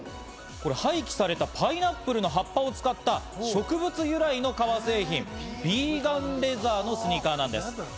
これ廃棄されたパイナップルの葉っぱを使った植物由来の革製品、ビーガンレザーのスニーカーなんです。